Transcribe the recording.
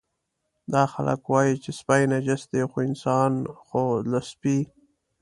دا خلک وایي چې سپي نجس دي، خو انسان خو له سپي.